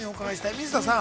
水田さん。